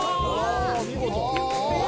見事！